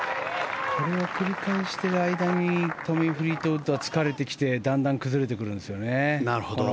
これを取り返している間にトミー・フリートウッドは疲れてきてだんだん崩れてくるんですよね。